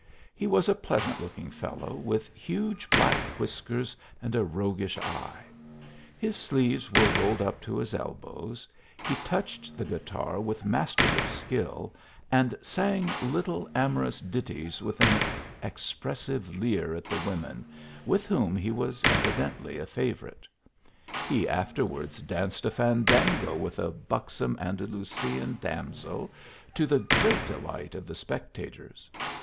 He was a pleasant looking felTow with huge black whiskers and a rogu ish eye. His sleeves were rolled up to his elbows : he touched the guitar with masterly skill, and sang little amorous ditties with an expressive leer at. ibc women, with whom he was evidently a favour it ? He afterwards danced a fandango with a buxom Andalusian damsel, to the great delight of the spec tators.